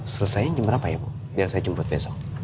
selesainya jam berapa ya bu biar saya jemput besok